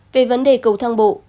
về vấn đề cầu thang bộ